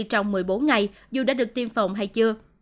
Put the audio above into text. trong một mươi bốn ngày dù đã được tiêm phòng hay chưa